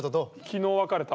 昨日別れた。